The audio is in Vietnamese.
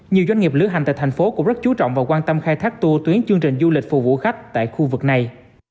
nhiều doanh nghiệp lưu hành tại thành phố cũng rất chú trọng và quan tâm khai thác tour tuyến chương trình du lịch phục vụ khách tại khu vực này